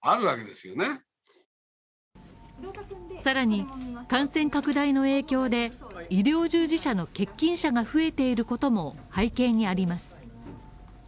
更に感染拡大の影響で、医療従事者の欠勤者が増えていることも背景にあります。